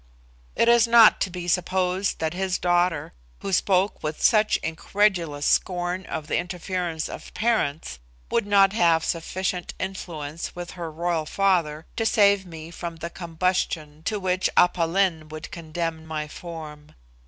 "It is not to be supposed that his daughter, who spoke with such incredulous scorn of the interference of parents, would not have sufficient influence with her Royal Father to save me from the combustion to which Aph Lin would condemn my form.